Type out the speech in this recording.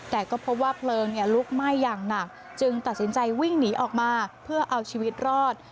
แต่ก็พบว่าเพลิงลุกไหม้อย่างหนักจึงตัดสินใจวิ่งหนีออกมาเพื่อเอาชีวิตรอด